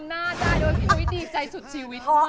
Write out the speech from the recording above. จำหน้าได้โดยมีวิธีใจสุดชีวิตมาก